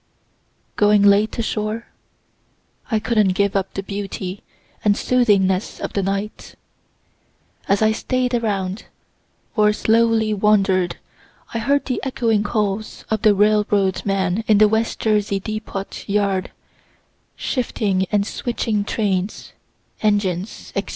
Going late ashore, (I couldn't give up the beauty, and soothingness of the night,) as I staid around, or slowly wander'd I heard the echoing calls of the railroad men in the West Jersey depot yard, shifting and switching trains, engines, etc.